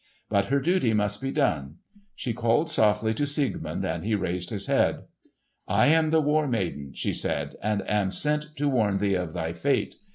But her duty must be done. She called softly to Siegmund and he raised his head. "I am the War Maiden," she said, "and am sent to warn thee of thy fate.